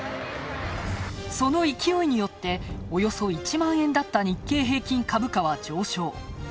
その勢いによって、およそ１万円だった日経平均株価は上昇。